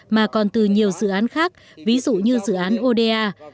mà còn từ nhiều dự án khác ví dụ như dự án oda